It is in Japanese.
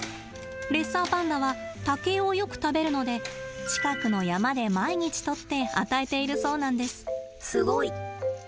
レッサーパンダは竹をよく食べるので近くの山で毎日とって与えているそうなんです。